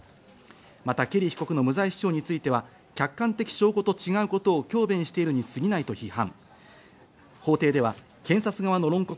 また、ケリー被告の無罪主張については、客観的証拠と違うことを強弁しているに過ぎないと批判。